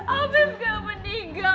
amin gak meninggal